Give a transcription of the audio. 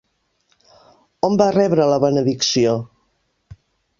On va rebre la benedicció?